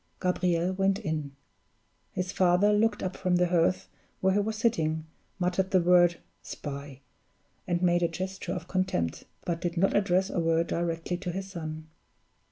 Gabriel went in. His father looked up from the hearth where he was sitting, muttered the word "Spy!" and made a gesture of contempt but did not address a word directly to his son.